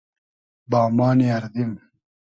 بامان اردیم